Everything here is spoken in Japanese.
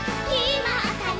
まったね！